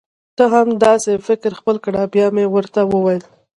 ته هم دا سي فکر خپل کړه بیا مي ورته وویل: